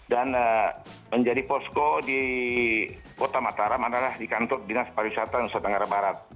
dan menjadi posko di kota mataram adalah di kantor dinas pariwisata nusa tenggara barat